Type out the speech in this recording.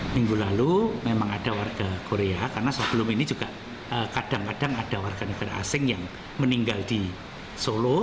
minggu lalu memang ada warga korea karena sebelum ini juga kadang kadang ada warga negara asing yang meninggal di solo